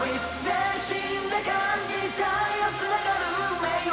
「全身で感じたいよ繋がる運命を」